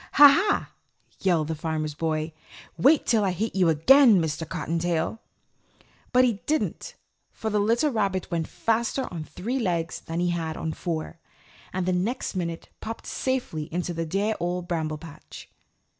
"Ha, ha!" yelled the Farmer's Boy. "Wait till I hit you again, Mr. Cottontail." But he didn't, for the little rabbit went faster on three legs than he had on four, and the next minute popped safely into the dear Old Bramble Patch.